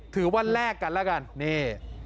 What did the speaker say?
ถือว่าแลกกันแล้วกันนี่